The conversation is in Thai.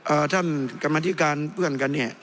เอ่อท่านกรรมนาฏิการเพื่อนกัน